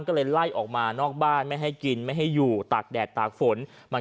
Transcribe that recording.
ก็เลยไล่ออกมานอกบ้านไม่ให้กินไม่ให้อยู่ตากแดดตากฝนมัน